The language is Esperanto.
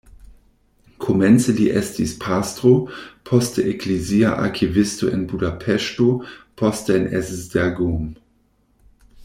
Komence li estis pastro, poste eklezia arkivisto en Budapeŝto, poste en Esztergom.